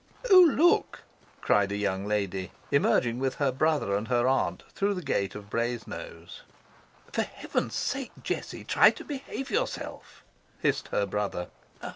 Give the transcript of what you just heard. "Oh, look!" cried a young lady emerging with her brother and her aunt through the gate of Brasenose. "For heaven's sake, Jessie, try to behave yourself," hissed her brother.